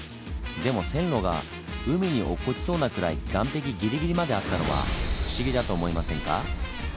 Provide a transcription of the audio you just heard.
でも線路が海に落っこちそうなくらい岸壁ギリギリまであったのは不思議だと思いませんか？